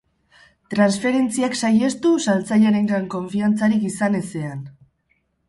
Transferentziak saihestu, saltzailearengan konfiantzarik izan ezean.